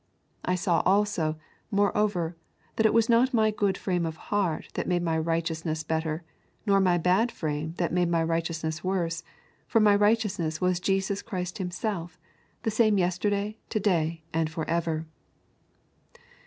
I saw also, moreover, that it was not my good frame of heart that made my righteousness better, nor my bad frame that made my righteousness worse, for my righteousness was Jesus Christ Himself, the same yesterday, to day, and for ever